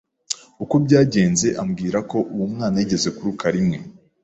uko byagenze ambwira ko uwo mwana yigeze kuruka rimwe